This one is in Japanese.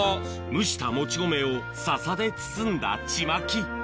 蒸したもち米を笹で包んだちまき